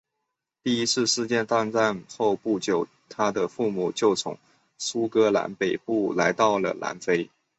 第一次世界大战后不久他的父母就从苏格兰北部来到了南非。